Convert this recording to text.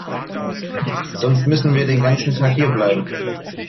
Sonst müssen wir den ganzen Tag hierbleiben.